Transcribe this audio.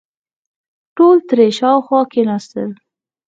ټول ترې شاوخوا کېناستل.